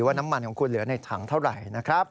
น้ำมันของคุณเหลือในถังเท่าไหร่นะครับ